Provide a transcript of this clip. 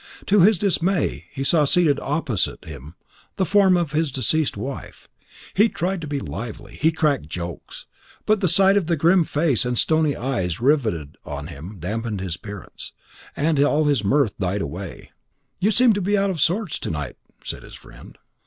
To his dismay, he saw seated opposite him the form of his deceased wife. He tried to be lively; he cracked jokes, but the sight of the grim face and the stony eyes riveted on him damped his spirits, and all his mirth died away. "You seem to be out of sorts to night," said his friend.